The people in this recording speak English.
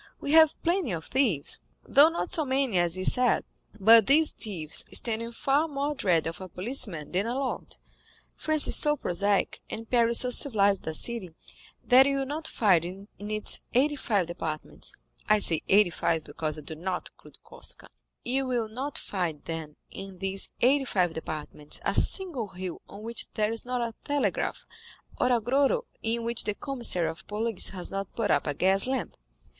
We have plenty of thieves, though not so many as is said; but these thieves stand in far more dread of a policeman than a lord. France is so prosaic, and Paris so civilized a city, that you will not find in its eighty five departments—I say eighty five, because I do not include Corsica—you will not find, then, in these eighty five departments a single hill on which there is not a telegraph, or a grotto in which the commissary of police has not put up a gaslamp.